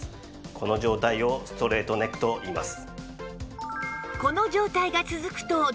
この状態をストレートネックといいます。